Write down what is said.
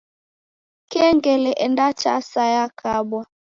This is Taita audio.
Kengele endatasa yakabwa.